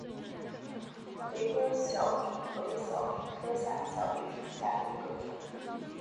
雷波小檗为小檗科小檗属下的一个种。